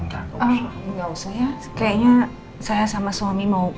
kayaknya saya sama suami mau